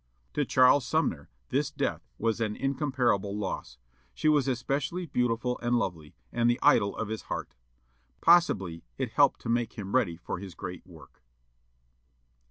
'" To Charles Sumner this death was an incomparable loss. She was especially beautiful and lovely, and the idol of his heart. Possibly it helped to make him ready for his great work.